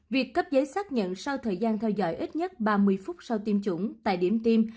việc cấp giấy xác nhận sau thời gian theo dõi ít nhất ba mươi phút sau tiêm chủng tại điểm tiêm